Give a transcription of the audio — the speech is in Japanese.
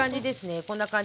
こんな感じでね